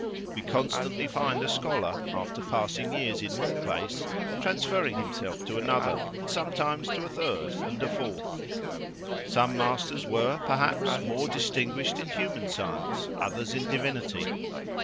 We constantly find a scholar, after passing years in one place, transferring himself to another, and sometimes to a third and a fourth. Some masters were, perhaps, more distinguished in human Science; others in Divinity.